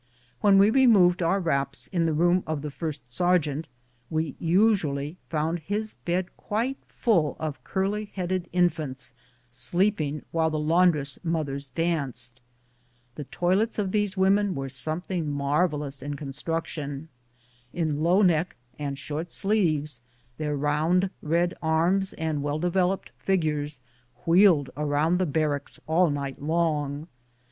When we removed our wraps in the room of the first sergeant we usually found his bed quite full of curly lieaded infants sleeping, while the laundress mothers danced. The toilets of these women were something marvellous in construction. In low neck and short sleeves, their round, red arms and well developed figures wheeled around the barracks all night long.